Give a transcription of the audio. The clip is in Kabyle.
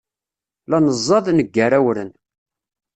La neẓẓad, neggar awren.